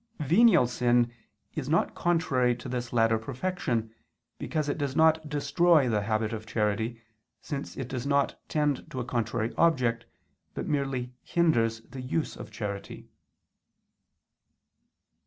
Venial sin is not contrary to this latter perfection, because it does not destroy the habit of charity, since it does not tend to a contrary object, but merely hinders the use of charity.